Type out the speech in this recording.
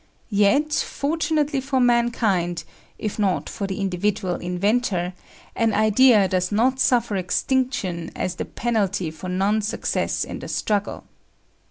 Yet, fortunately for mankind, if not for the individual inventor, an idea does not suffer extinction as the penalty for non success in the struggle.